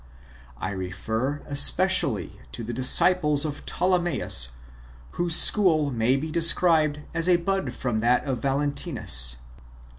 I refer especially to the disciples of Ptolemgeus, whose school may be described as a bud from that of Valentinus.